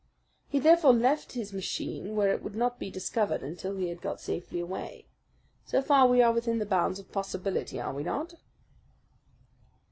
He therefore left his machine where it would not be discovered until he had got safely away. So far we are within the bounds of possibility, are we not?"